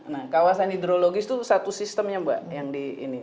nah kawasan hidrologis itu satu sistemnya mbak yang di ini